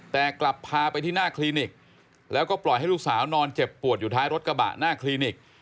แต่กลับพาไปที่หน้าคลินิกแล้วก็ปล่อยให้ลูกสาวนอนเจ็บปวดอยู่ท้ายรถกระบะหน้าคลินิก